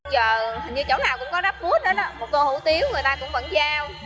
giờ hình như chỗ nào cũng có grab food đó đó một tô hủ tiếu người ta cũng vẫn giao